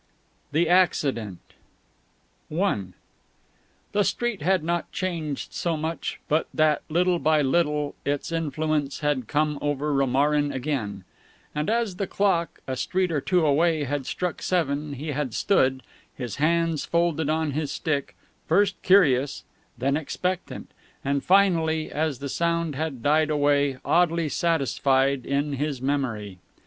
THE ACCIDENT I The street had not changed so much but that, little by little, its influence had come over Romarin again; and as the clock a street or two away had struck seven he had stood, his hands folded on his stick, first curious, then expectant, and finally, as the sound had died away, oddly satisfied in his memory.